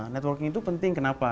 networking itu penting kenapa